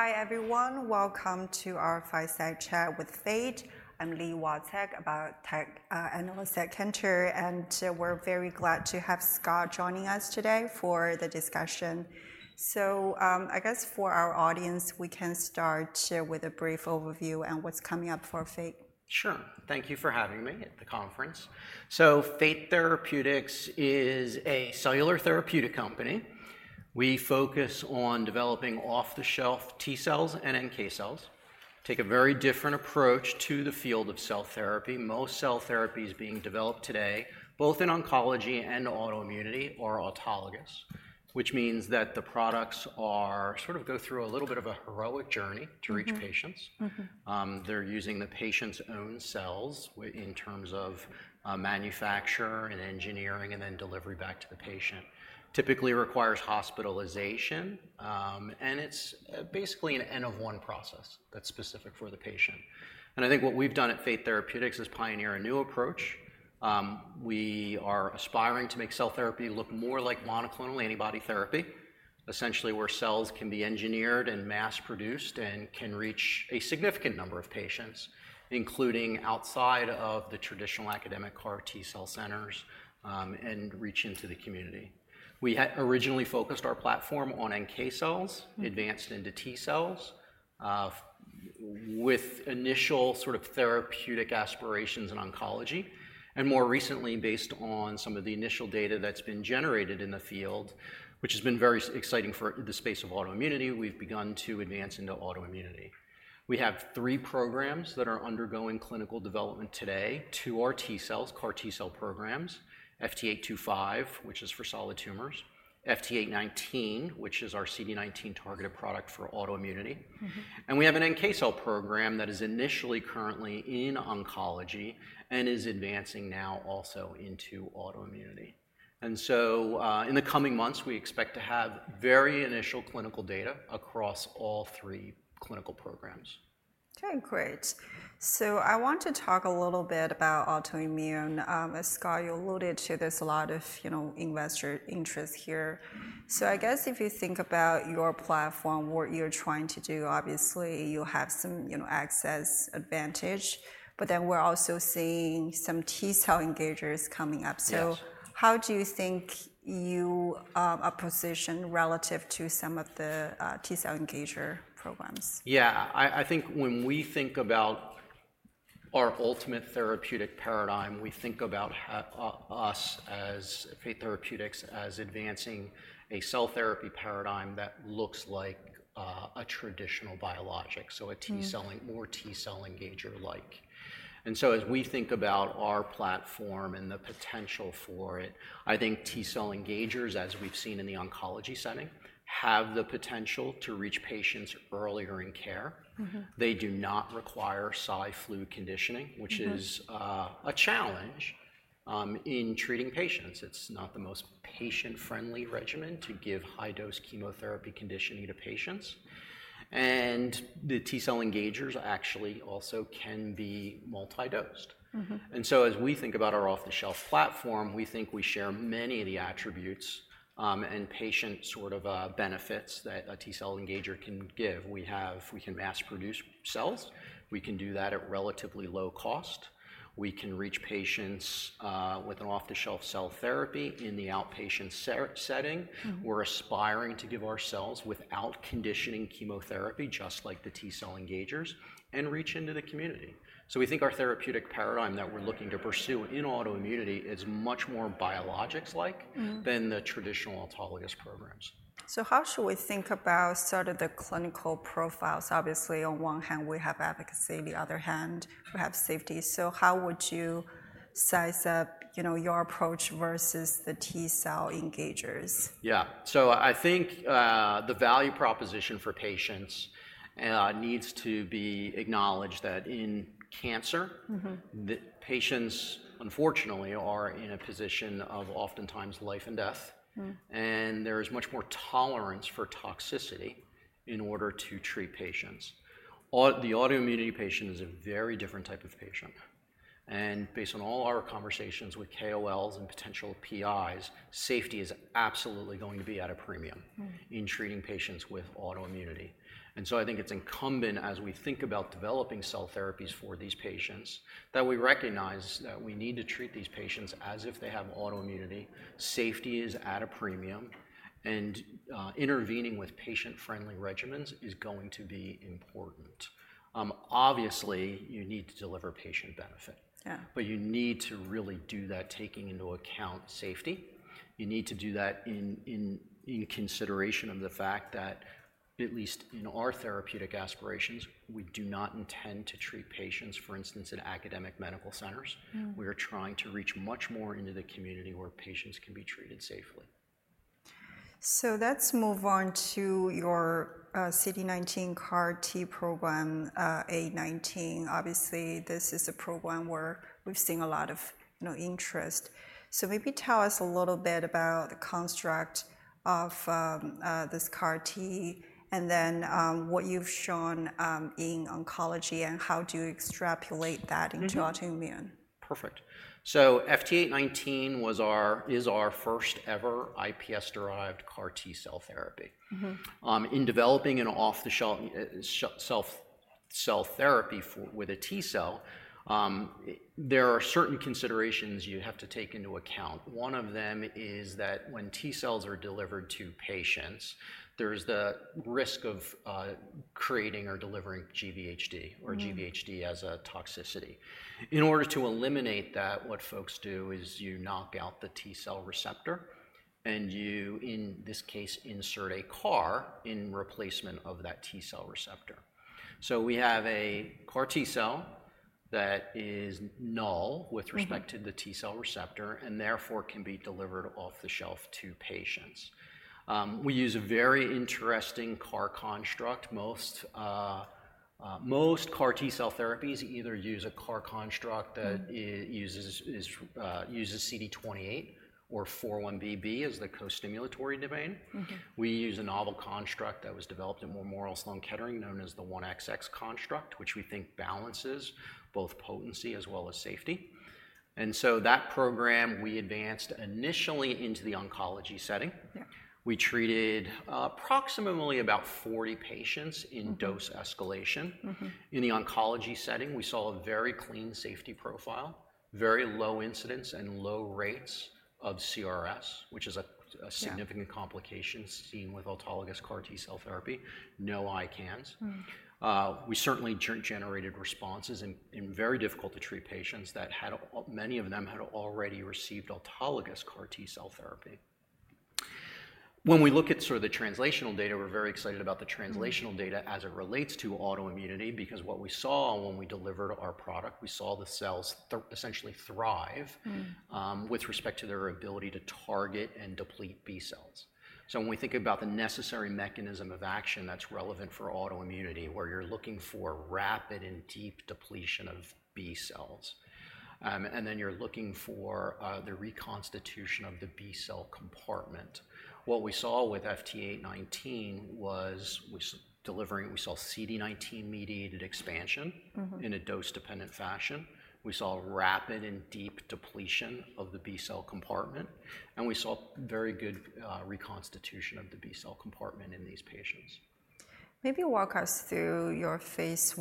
Hi, everyone. Welcome to our fireside chat with Fate. I'm Li Watsek analyst at Cantor, and we're very glad to have Scott joining us today for the discussion, so I guess for our audience, we can start with a brief overview on what's coming up for Fate. Sure. Thank you for having me at the conference. So Fate Therapeutics is a cellular therapeutic company. We focus on developing off-the-shelf T-cells and NK cells, take a very different approach to the field of cell therapy. Most cell therapies being developed today, both in oncology and autoimmunity, are autologous, which means that the products are sort of go through a little bit of a heroic journey- Mm-hmm... to reach patients. Mm-hmm. They're using the patient's own cells in terms of manufacture and engineering, and then delivery back to the patient. Typically requires hospitalization, and it's basically an N of one process that's specific for the patient. I think what we've done at Fate Therapeutics is pioneer a new approach. We are aspiring to make cell therapy look more like monoclonal antibody therapy, essentially where cells can be engineered and mass-produced and can reach a significant number of patients, including outside of the traditional academic CAR T-cell centers, and reach into the community. We originally focused our platform on NK cells. Mm-hmm... advanced into T-cells with initial sort of therapeutic aspirations in oncology, and more recently, based on some of the initial data that's been generated in the field, which has been very exciting for the space of autoimmunity, we've begun to advance into autoimmunity. We have three programs that are undergoing clinical development today: two are T-cells, CAR T-cell programs, FT825, which is for solid tumors. FT819, which is our CD19-targeted product for autoimmunity. Mm-hmm. We have an NK cell program that is initially currently in oncology and is advancing now also into autoimmunity. So, in the coming months, we expect to have very initial clinical data across all three clinical programs. Okay, great. So I want to talk a little bit about autoimmune. Scott, you alluded to there's a lot of, you know, investor interest here. So I guess if you think about your platform, what you're trying to do, obviously you have some, you know, access advantage, but then we're also seeing some T-cell engagers coming up. Yes. How do you think you are positioned relative to some of the T-cell engager programs? Yeah. I think when we think about our ultimate therapeutic paradigm, we think about us as Fate Therapeutics as advancing a cell therapy paradigm that looks like a traditional biologic- Mm ...so a T-cell, more T-cell engager-like, and so as we think about our platform and the potential for it, I think T-cell engagers, as we've seen in the oncology setting, have the potential to reach patients earlier in care. Mm-hmm. They do not require Cy/Flu conditioning which is a challenge in treating patients. It's not the most patient-friendly regimen to give high-dose chemotherapy conditioning to patients, and the T-cell engagers actually also can be multi-dosed. Mm-hmm. And so as we think about our off-the-shelf platform, we think we share many of the attributes and patient sort of benefits that a T-cell engager can give. We can mass-produce cells. We can do that at relatively low cost. We can reach patients with an off-the-shelf cell therapy in the outpatient setting. Mm-hmm. We're aspiring to give our cells without conditioning chemotherapy, just like the T-cell engagers, and reach into the community, so we think our therapeutic paradigm that we're looking to pursue in autoimmunity is much more biologics-like- Mm-hmm... than the traditional autologous programs. So how should we think about sort of the clinical profiles? Obviously, on one hand, we have efficacy, on the other hand, we have safety. So how would you size up, you know, your approach versus the T-cell engagers? Yeah. So I think the value proposition for patients needs to be acknowledged that in cancer- Mm-hmm... the patients, unfortunately, are in a position of oftentimes life and death. Mm. There is much more tolerance for toxicity in order to treat patients. The autoimmunity patient is a very different type of patient, and based on all our conversations with KOLs and potential PIs, safety is absolutely going to be at a premium- Mm... in treating patients with autoimmunity. And so I think it's incumbent as we think about developing cell therapies for these patients, that we recognize that we need to treat these patients as if they have autoimmunity. Safety is at a premium, and intervening with patient-friendly regimens is going to be important. Obviously, you need to deliver patient benefit- Yeah... but you need to really do that, taking into account safety. You need to do that in consideration of the fact that, at least in our therapeutic aspirations, we do not intend to treat patients, for instance, in academic medical centers. Mm. We are trying to reach much more into the community, where patients can be treated safely. So let's move on to your CD19 CAR T program, FT819. Obviously, this is a program where we've seen a lot of, you know, interest. So maybe tell us a little bit about the construct of this CAR T and then what you've shown in oncology, and how do you extrapolate that- Mm-hmm... into autoimmune?... Perfect. So FT819 was our, is our first ever iPSC-derived CAR T-cell therapy. Mm-hmm. In developing an off-the-shelf cell therapy for, with a T cell, there are certain considerations you have to take into account. One of them is that when T cells are delivered to patients, there's the risk of creating or delivering GVHD. Mm. or GVHD as a toxicity. In order to eliminate that, what folks do is you knock out the T-cell receptor, and you, in this case, insert a CAR in replacement of that T-cell receptor. So we have a CAR-T cell that is null with respect- Mm-hmm... to the T-cell receptor, and therefore, can be delivered off the shelf to patients. We use a very interesting CAR construct. Most CAR T-cell therapies either use a CAR construct- Mm... that uses CD28 or 4-1BB as the co-stimulatory domain. Mm-hmm. We use a novel construct that was developed at Memorial Sloan Kettering, known as the 1XX construct, which we think balances both potency as well as safety, and so that program we advanced initially into the oncology setting. Yeah. We treated approximately 40 patients in- Mm-hmm... dose escalation. Mm-hmm. In the oncology setting, we saw a very clean safety profile, very low incidence and low rates of CRS, which is Yeah... significant complication seen with autologous CAR T-cell therapy. No ICANS. Mm. We certainly generated responses in very difficult-to-treat patients that had, many of them had already received autologous CAR T-cell therapy. When we look at sort of the translational data, we're very excited about the translational- Mm... data as it relates to autoimmunity, because what we saw when we delivered our product, we saw the cells essentially thrive- Mm... with respect to their ability to target and deplete B cells. So when we think about the necessary mechanism of action that's relevant for autoimmunity, where you're looking for rapid and deep depletion of B cells, and then you're looking for the reconstitution of the B cell compartment. What we saw with FT819 was delivering... We saw CD19-mediated expansion- Mm-hmm... in a dose-dependent fashion. We saw rapid and deep depletion of the B cell compartment, and we saw very good, reconstitution of the B cell compartment in these patients. Maybe walk us through your phase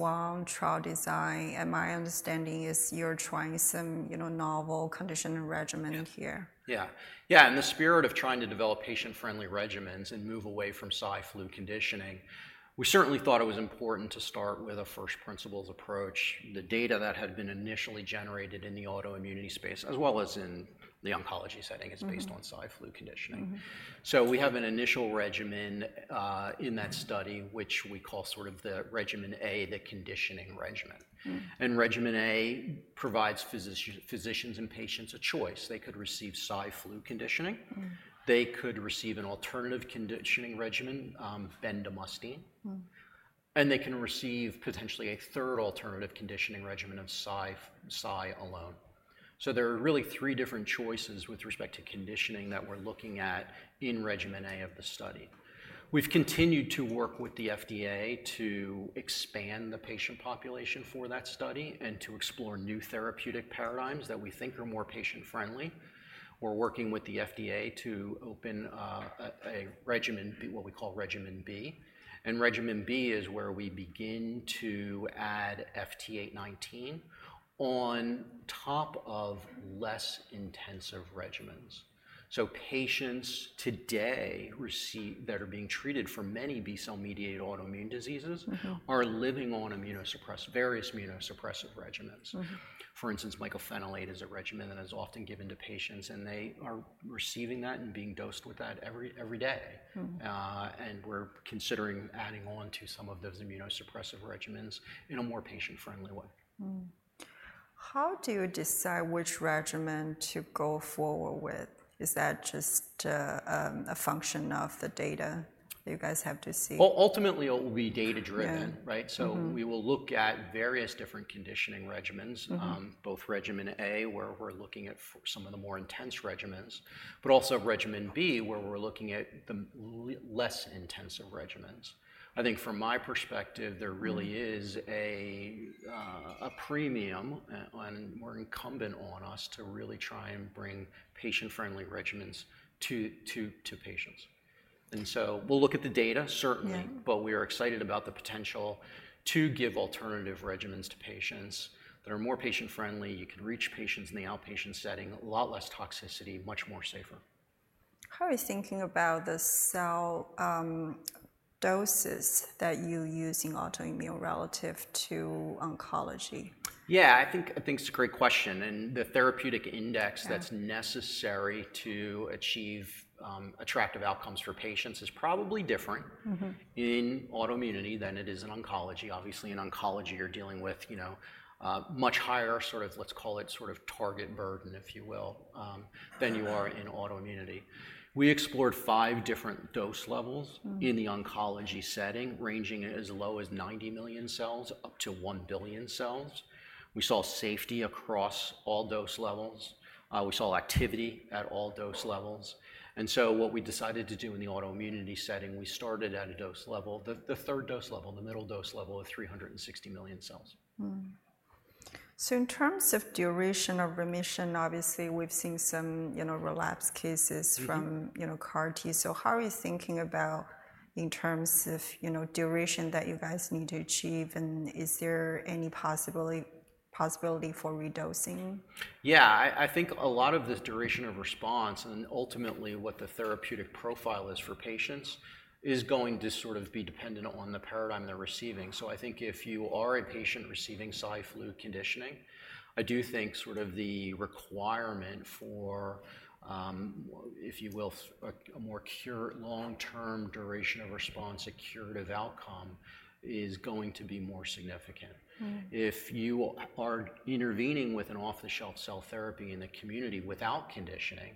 trial design, and my understanding is you're trying some, you know, novel conditioning regimen here. Yeah. Yeah, in the spirit of trying to develop patient-friendly regimens and move away from Cy/Flu conditioning, we certainly thought it was important to start with a first principles approach. The data that had been initially generated in the autoimmunity space, as well as in the oncology setting- Mm-hmm... is based on Cy/Flu conditioning. Mm-hmm. So we have an initial regimen, in that study, which we call sort of the regimen A, the conditioning regimen. Mm. Regimen A provides physicians and patients a choice. They could receive Cy/Flu conditioning. Mm. They could receive an alternative conditioning regimen, bendamustine. Mm. They can receive potentially a third alternative conditioning regimen of Cy/Flu- Cy alone. There are really three different choices with respect to conditioning that we're looking at in regimen A of the study. We've continued to work with the FDA to expand the patient population for that study and to explore new therapeutic paradigms that we think are more patient-friendly. We're working with the FDA to open regimen B, what we call regimen B, and regimen B is where we begin to add FT819 on top of less intensive regimens. Patients today receive that are being treated for many B-cell-mediated autoimmune diseases. Mm-hmm... are living on immunosuppressive, various immunosuppressive regimens. Mm-hmm. For instance, mycophenolate is a regimen that is often given to patients, and they are receiving that and being dosed with that every day. Mm. And we're considering adding on to some of those immunosuppressive regimens in a more patient-friendly way. Mm. How do you decide which regimen to go forward with? Is that just a function of the data you guys have to see? Ultimately, it will be data-driven- Yeah... right? Mm-hmm. We will look at various different conditioning regimens. Mm-hmm. both regimen A, where we're looking at some of the more intense regimens, but also regimen B, where we're looking at the less intensive regimens. I think from my perspective- Mm... there really is a premium on, or incumbent on us to really try and bring patient-friendly regimens to patients. And so we'll look at the data, certainly- Yeah... but we are excited about the potential to give alternative regimens to patients that are more patient-friendly. You can reach patients in the outpatient setting, a lot less toxicity, much more safer. How are you thinking about the cell, doses that you use in autoimmune relative to oncology? Yeah, I think it's a great question, and the therapeutic index. Yeah... that's necessary to achieve, attractive outcomes for patients is probably different- Mm-hmm... in autoimmunity than it is in oncology. Obviously, in oncology, you're dealing with, you know, much higher sort of, let's call it sort of target burden, if you will, than you are in autoimmunity. We explored five different dose levels- Mm... in the oncology setting, ranging as low as 90 million cells up to 1 billion cells. We saw safety across all dose levels. We saw activity at all dose levels. And so what we decided to do in the autoimmunity setting, we started at a dose level, the third dose level, the middle dose level of 360 million cells. In terms of duration of remission, obviously, we've seen some, you know, relapse cases- Mm-hmm. from, you know, CAR T. So how are you thinking about, in terms of, you know, duration that you guys need to achieve, and is there any possibility for redosing? Yeah, I think a lot of this duration of response, and ultimately what the therapeutic profile is for patients, is going to sort of be dependent on the paradigm they're receiving. So I think if you are a patient receiving Cy/Flu conditioning, I do think sort of the requirement for, if you will, a more curative long-term duration of response, a curative outcome, is going to be more significant. Mm. If you are intervening with an off-the-shelf cell therapy in the community without conditioning,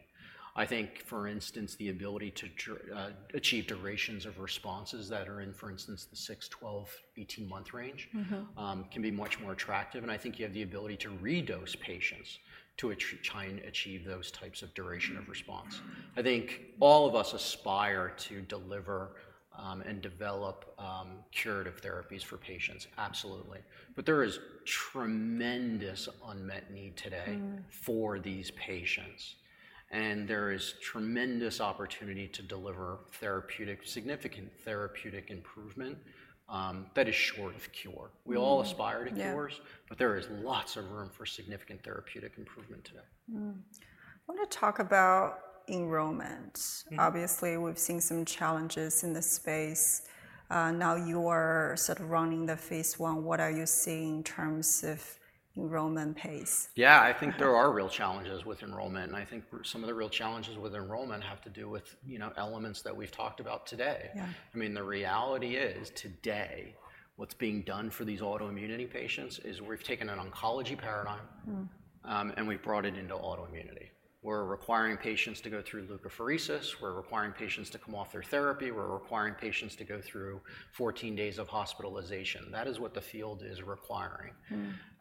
I think, for instance, the ability to achieve durations of responses that are in, for instance, the six, 12, 18-month range- Mm-hmm... can be much more attractive, and I think you have the ability to redose patients to try and achieve those types of duration of response. I think all of us aspire to deliver, and develop, curative therapies for patients, absolutely. But there is tremendous unmet need today- Mm... for these patients, and there is tremendous opportunity to deliver significant therapeutic improvement, that is short of cure. Mm. We all aspire to cures- Yeah... but there is lots of room for significant therapeutic improvement today. I wanna talk about enrollment. Mm. Obviously, we've seen some challenges in this space. Now you're sort of running the phase I. What are you seeing in terms of enrollment pace? Yeah, I think-... there are real challenges with enrollment, and I think some of the real challenges with enrollment have to do with, you know, elements that we've talked about today. Yeah. I mean, the reality is, today, what's being done for these autoimmunity patients is we've taken an oncology paradigm- Mm... and we've brought it into autoimmunity. We're requiring patients to go through leukapheresis, we're requiring patients to come off their therapy, we're requiring patients to go through 14 days of hospitalization. That is what the field is requiring.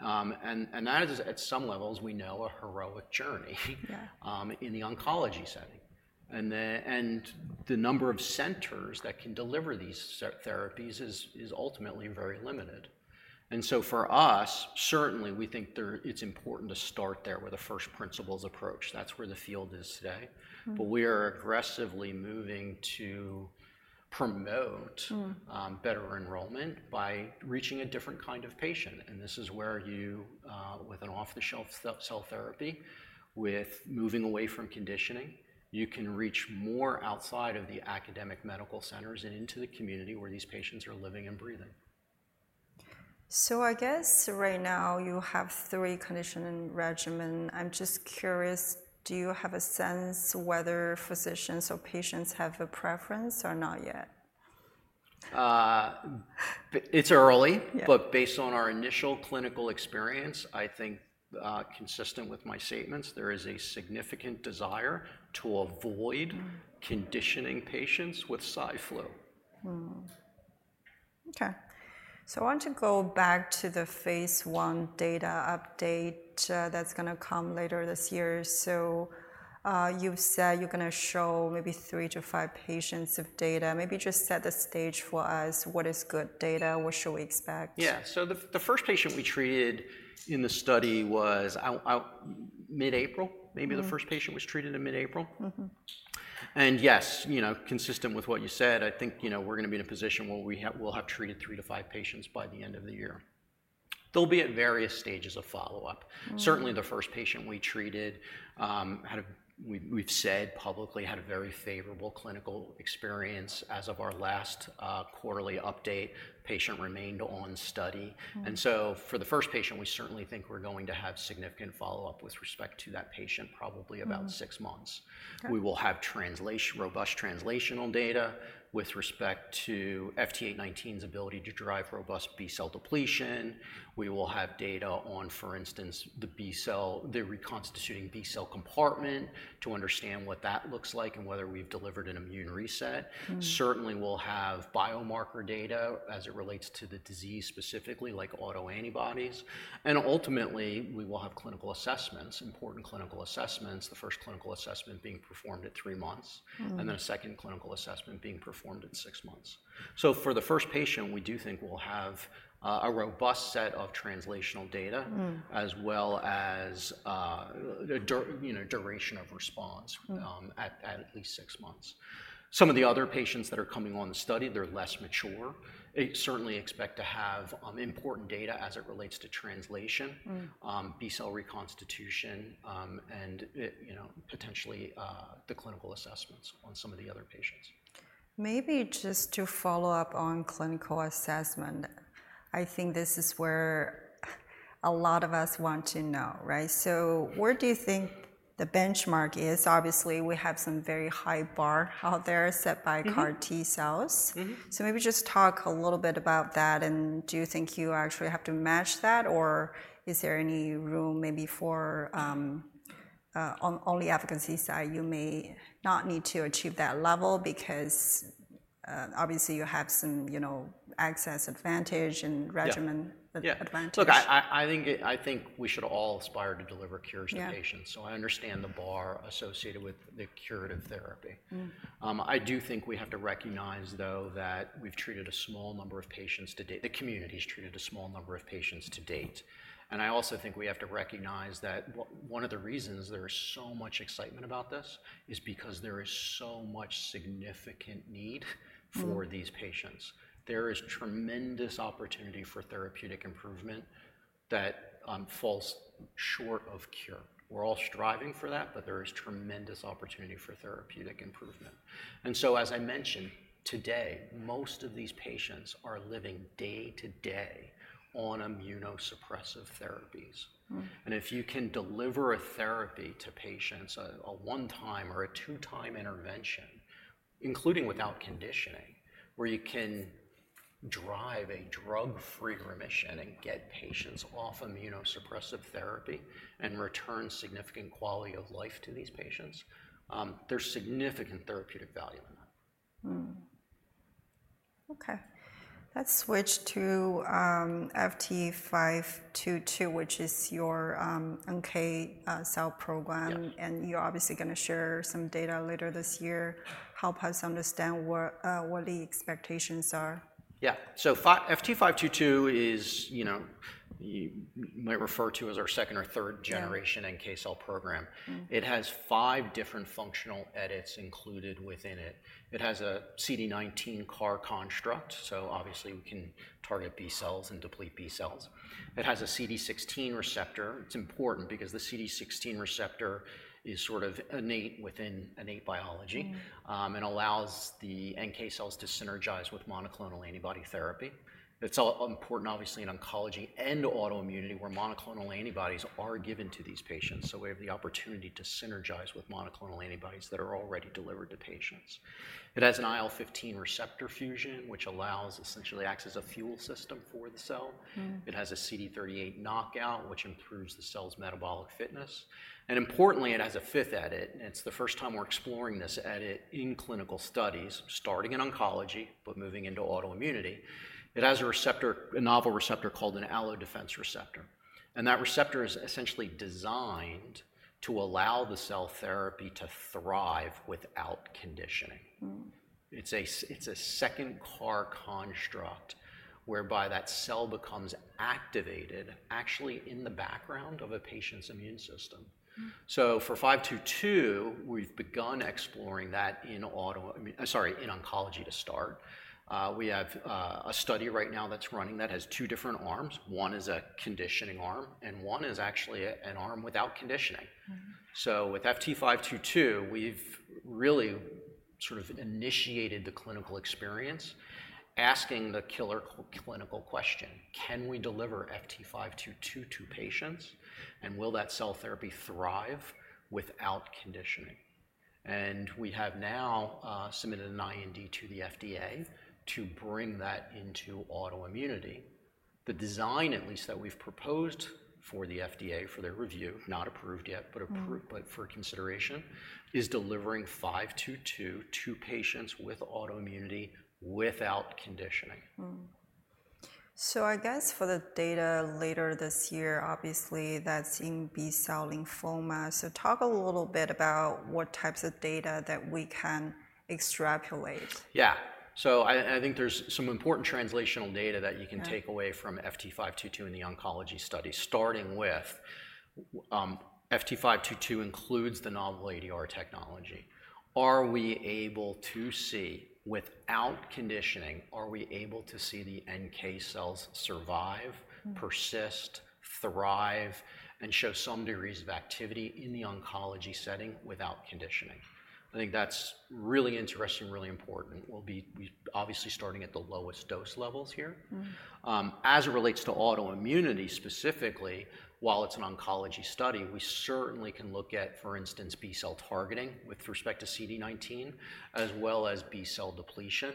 Mm. And that is, at some levels, we know, a heroic journey, Yeah... in the oncology setting. And the number of centers that can deliver these therapies is ultimately very limited. And so for us, certainly, we think it's important to start there with a first principles approach. That's where the field is today. Mm. But we are aggressively moving to promote- Mm... better enrollment by reaching a different kind of patient, and this is where you, with an off-the-shelf cell therapy, with moving away from conditioning, you can reach more outside of the academic medical centers and into the community where these patients are living and breathing. So, I guess right now you have three conditioning regimen. I'm just curious, do you have a sense whether physicians or patients have a preference, or not yet? It's early- Yeah... but based on our initial clinical experience, I think, consistent with my statements, there is a significant desire to avoid- Mm... conditioning patients with Cy/Flu. Okay. I want to go back to the phase I data update that's gonna come later this year. You've said you're gonna show maybe three to five patients of data. Maybe just set the stage for us. What is good data? What should we expect? Yeah. So the first patient we treated in the study was out mid-April- Mm... maybe the first patient was treated in mid-April. Mm-hmm. And yes, you know, consistent with what you said, I think, you know, we're gonna be in a position where we'll have treated three to five patients by the end of the year. They'll be at various stages of follow-up. Certainly, the first patient we treated, we've said publicly, had a very favorable clinical experience. As of our last quarterly update, patient remained on study. Mm. And so for the first patient, we certainly think we're going to have significant follow-up with respect to that patient, probably about- Mm... six months. Okay. We will have robust translational data with respect to FT819's ability to drive robust B-cell depletion. We will have data on, for instance, the reconstituting B-cell compartment, to understand what that looks like and whether we've delivered an immune reset. Mm. Certainly, we'll have biomarker data as it relates to the disease, specifically, like autoantibodies. And ultimately, we will have clinical assessments, important clinical assessments, the first clinical assessment being performed at three months- Mm-hmm... and then a second clinical assessment being performed at six months. So for the first patient, we do think we'll have a robust set of translational data- Mm... as well as, you know, duration of response- Mm... at least six months. Some of the other patients that are coming on the study, they're less mature. They certainly expect to have important data as it relates to translation- Mm... B-cell reconstitution, and it, you know, potentially, the clinical assessments on some of the other patients. Maybe just to follow up on clinical assessment, I think this is where a lot of us want to know, right? So where do you think the benchmark is? Obviously, we have some very high bar out there set by- Mm-hmm... CAR T-cells. Mm-hmm. So maybe just talk a little bit about that, and do you think you actually have to match that, or is there any room, maybe for on the efficacy side, you may not need to achieve that level because obviously you have some, you know, access advantage and- Yeah regimen Yeah - advantage. Look, I think we should all aspire to deliver cures to patients. Yeah. So I understand the bar associated with the curative therapy. Mm. I do think we have to recognize, though, that we've treated a small number of patients to date. The community's treated a small number of patients to date. And I also think we have to recognize that one of the reasons there is so much excitement about this is because there is so much significant need- Mm for these patients. There is tremendous opportunity for therapeutic improvement that falls short of cure. We're all striving for that, but there is tremendous opportunity for therapeutic improvement. And so, as I mentioned, today, most of these patients are living day to day on immunosuppressive therapies. Mm. If you can deliver a therapy to patients, a one-time or a two-time intervention, including without conditioning, where you can drive a drug-free remission and get patients off immunosuppressive therapy and return significant quality of life to these patients, there's significant therapeutic value in that. Okay. Let's switch to FT522, which is your NK cell program. Yeah. And you're obviously gonna share some data later this year. Yeah. Help us understand what the expectations are. Yeah. So FT522 is, you know, you might refer to as our second or third generation- Yeah... NK cell program. Mm. It has five different functional edits included within it. It has a CD19 CAR construct, so obviously we can target B cells and deplete B cells. It has a CD16 receptor. It's important, because the CD16 receptor is sort of innate within innate biology. Mm... and allows the NK cells to synergize with monoclonal antibody therapy. It's also important obviously in oncology and autoimmunity, where monoclonal antibodies are given to these patients, so we have the opportunity to synergize with monoclonal antibodies that are already delivered to patients. It has an IL-15 receptor fusion, which allows, essentially acts as a fuel system for the cell. Mm. It has a CD38 knockout, which improves the cell's metabolic fitness, and importantly, it has a fifth edit, and it's the first time we're exploring this edit in clinical studies, starting in oncology, but moving into autoimmunity. It has a receptor, a novel receptor called an Allo-defense receptor, and that receptor is essentially designed to allow the cell therapy to thrive without conditioning. Mm. It's a second CAR construct, whereby that cell becomes activated, actually in the background of a patient's immune system. Mm. So for FT522, we've begun exploring that. I mean, sorry, in oncology to start. We have a study right now that's running that has two different arms. One is a conditioning arm, and one is actually an arm without conditioning. Mm-hmm. So with FT522, we've really sort of initiated the clinical experience, asking the killer clinical question: Can we deliver FT522 to patients, and will that cell therapy thrive without conditioning? And we have now, submitted an IND to the FDA to bring that into autoimmunity. The design, at least, that we've proposed for the FDA for their review, not approved yet- Mm... but approved for consideration is delivering FT522 to patients with autoimmunity without conditioning. I guess for the data later this year, obviously, that's in B cell lymphoma. Talk a little bit about what types of data that we can extrapolate. Yeah. So I think there's some important translational data that you- Yeah... can take away from FT522 in the oncology study, starting with, FT522 includes the novel ADR technology. Are we able to see, without conditioning, the NK cells survive- Mm... persist, thrive, and show some degrees of activity in the oncology setting without conditioning? I think that's really interesting and really important. We'll be, we obviously starting at the lowest dose levels here. Mm. As it relates to autoimmunity specifically, while it's an oncology study, we certainly can look at, for instance, B cell targeting with respect to CD19, as well as B cell depletion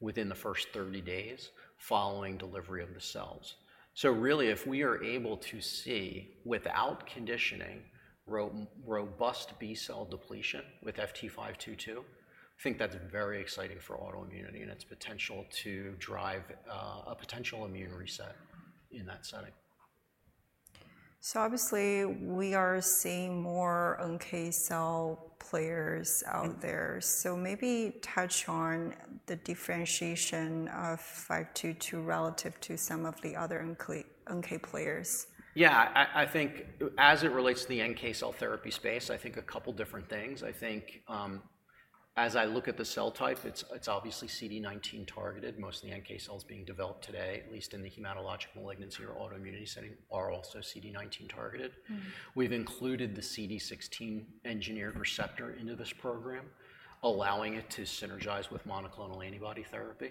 within the first thirty days following delivery of the cells. So really, if we are able to see, without conditioning, robust B cell depletion with FT522, I think that's very exciting for autoimmunity and its potential to drive a potential immune reset-... in that setting. So obviously, we are seeing more NK cell players out there. Maybe touch on the differentiation of FT522 relative to some of the other NK players. Yeah. I think as it relates to the NK cell therapy space, I think, as I look at the cell type, it's obviously CD19 targeted. Most of the NK cells being developed today, at least in the hematologic malignancy or autoimmunity setting, are also CD19 targeted. Mm. We've included the CD16 engineered receptor into this program, allowing it to synergize with monoclonal antibody therapy.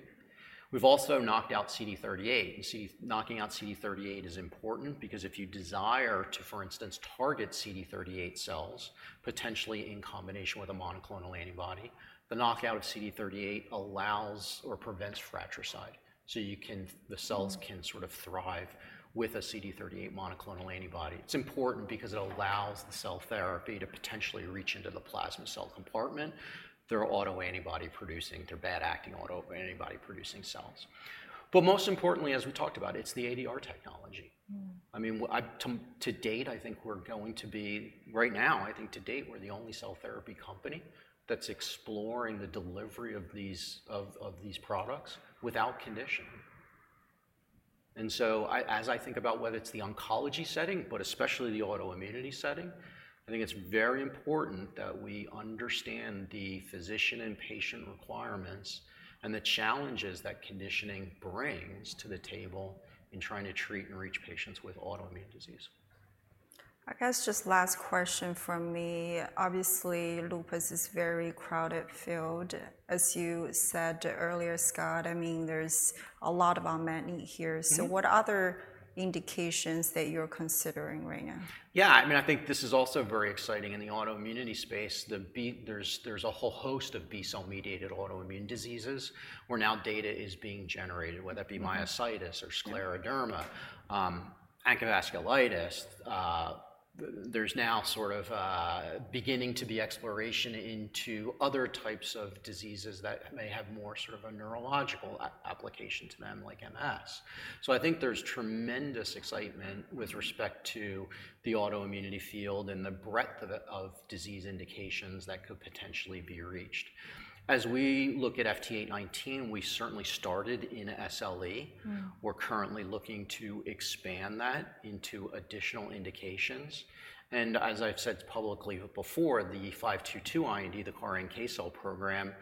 We've also knocked out CD38. You see, knocking out CD38 is important, because if you desire to, for instance, target CD38 cells, potentially in combination with a monoclonal antibody, the knockout of CD38 allows or prevents fratricide, so you can, the cells- Mm... can sort of thrive with a CD38 monoclonal antibody. It's important because it allows the cell therapy to potentially reach into the plasma cell compartment. They're autoantibody producing. They're bad-acting autoantibody producing cells. But most importantly, as we talked about, it's the ADR technology.... I mean, well, to date, I think we're the only cell therapy company that's exploring the delivery of these products without conditioning. And so as I think about whether it's the oncology setting, but especially the autoimmunity setting, I think it's very important that we understand the physician and patient requirements, and the challenges that conditioning brings to the table in trying to treat and reach patients with autoimmune disease. I guess just last question from me. Obviously, lupus is very crowded field, as you said earlier, Scott. I mean, there's a lot of unmet need here. Mm-hmm. So what other indications that you're considering right now? Yeah, I mean, I think this is also very exciting in the autoimmunity space. There's a whole host of B-cell mediated autoimmune diseases, where now data is being generated, whether that be myositis or scleroderma, ankylosing spondylitis. There's now sort of beginning to be exploration into other types of diseases that may have more sort of a neurological application to them, like MS. So I think there's tremendous excitement with respect to the autoimmunity field and the breadth of disease indications that could potentially be reached. As we look at FT819, we certainly started in SLE. Mm. We're currently looking to expand that into additional indications, and as I've said publicly before, the 522 IND, the CAR NK cell program,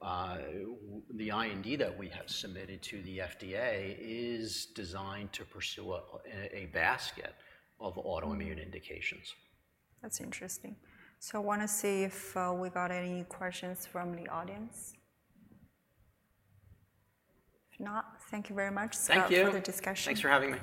the IND that we have submitted to the FDA is designed to pursue a basket of autoimmune indications. That's interesting. So I wanna see if we got any questions from the audience. If not, thank you very much- Thank you... for the discussion. Thanks for having me.